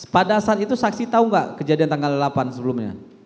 pada saat itu saksi tahu nggak kejadian tanggal delapan sebelumnya